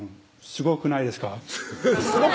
「すごくないですか？」